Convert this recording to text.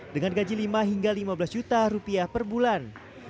dengan gaji lima hingga lima belas juta rupiah per bulan